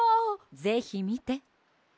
ぜひみて。